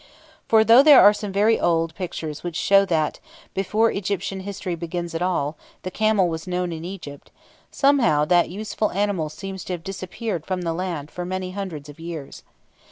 For, though there are some very old pictures which show that, before Egyptian history begins at all, the camel was known in Egypt, somehow that useful animal seems to have disappeared from the land for many hundreds of years.